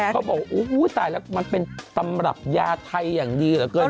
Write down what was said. เขาบอกตายแล้วมันเป็นตำรับยาไทยอย่างดีเหลือเกิน